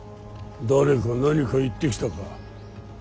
誰か何か言ってきたか。